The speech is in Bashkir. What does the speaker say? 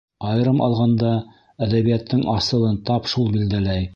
Айырым алғанда, әҙәбиәттең асылын тап шул билдәләй.